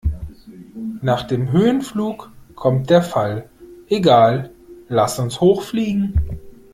Nach dem Höhenflug kommt der Fall. Egal, lass uns hoch fliegen!